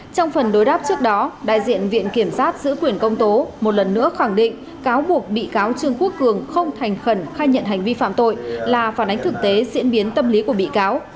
trong phần đối đáp trước đó đại diện viện kiểm sát giữ quyền công tố một lần nữa khẳng định cáo buộc bị cáo trương quốc cường không thành khẩn khai nhận hành vi phạm tội là phản ánh thực tế diễn biến tâm lý của bị cáo